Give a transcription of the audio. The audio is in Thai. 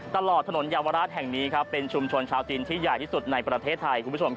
ตลอดถนนยาวรัสแห่งนี้ครับเป็นชุมชนชาวจีนที่ใหญ่ที่สุดในประเทศไทย